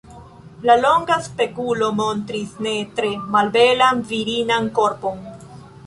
La longa spegulo montris ne tre malbelan virinan korpon.